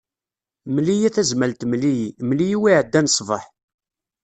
Mel-iyi a Tazmalt mel-iyi, mel-iyi wi iɛeddan ṣbeḥ.